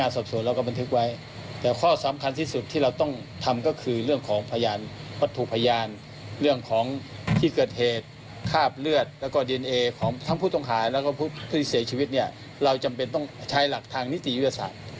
สอดคล้องกับคนร้ายลงมือ